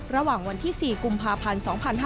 ระหว่างวันที่๔กุมภาพันธ์๒๕๕๙